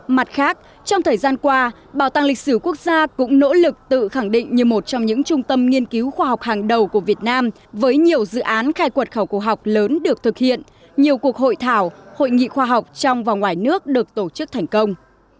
mặt khác trong thời gian qua bảo tàng lịch sử quốc gia cũng nỗ lực tự khẳng định như một trong những trung tâm nghiên cứu khoa học hàng đầu của việt nam với nhiều dự án khai quật khảo cổ học lớn được thực hiện nhiều cuộc hội thảo hội nghị khoa học trong và ngoài nước được tổ chức thành công